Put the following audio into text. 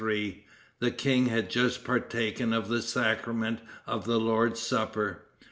The king had just partaken of the sacrament of the Lord's Supper.